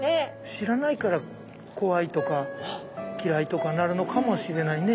知らないから怖いとか嫌いとかなるのかもしれないね。